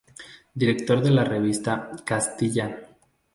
Director de la revista "Castilla.